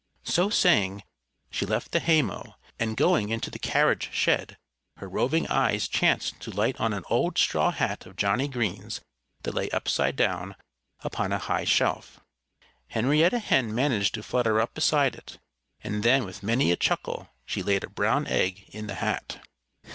So saying, she left the haymow. And going into the carriage shed, her roving eyes chanced to light on an old straw hat of Johnnie Green's that lay upside down upon a high shelf. Henrietta Hen managed to flutter up beside it. And then with many a chuckle she laid a brown egg in the hat.